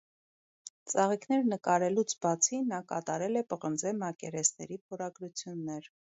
Ծաղիկներ նկարելուց բացի, նա կատարել է պղնձե մակերեսների փորագրություններ։